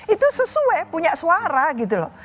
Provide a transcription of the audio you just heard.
itu sesuai punya suara gitu loh